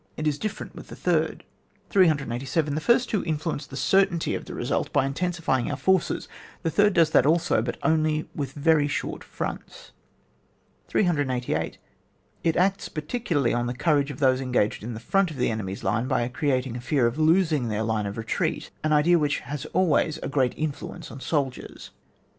It is different with the third. 387. The first two influence the cer^ tainty of the result by intensifying our forces, the third does that also, but only with very short fronts. 388. It acts particularly on the courage of those engaged in the front of the enemy's line by creating a fear of losing their line of retreat, an idea which has always a great influence on soldiers.